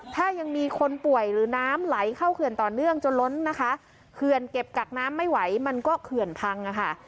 ถ้ายังมีคนป่วยหรือน้ำไหลเข้าเขื่อนต่อเนื่องจนล้นนะคะเขื่อนเก็บกักน้ำไม่ไหวมันก็เขื่อนพังอ่ะค่ะ